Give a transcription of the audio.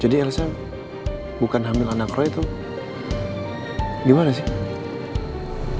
jadi elsa bukan hamil anak roy itu gimana sih